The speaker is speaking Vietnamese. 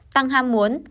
tăng ham muốn